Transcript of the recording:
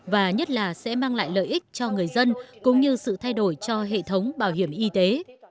và nhất là sẽ mang lại lợi ích cho người dân cũng như sự thay đổi cho hệ thống bảo hiểm y tế